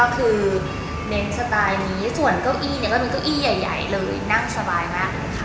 คือเน้นสไตล์นี้ส่วนเก้าอี้เนี่ยก็มีเก้าอี้ใหญ่เลยนั่งสบายมากเลยค่ะ